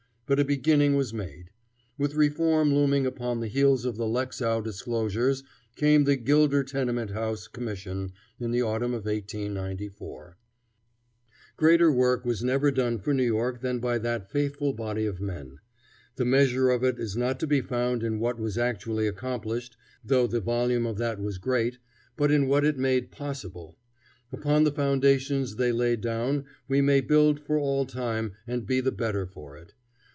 But a beginning was made. With reform looming upon the heels of the Lexow disclosures came the Gilder Tenement House Commission in the autumn of 1894. [ Picture of an entitled "Typical East Side Tenement Block" subtitled "Five hundred babies in it, not one bathtub"] Greater work was never done for New York than by that faithful body of men. The measure of it is not to be found in what was actually accomplished, though the volume of that was great, but in what it made possible. Upon the foundations they laid down we may build for all time and be the better for it.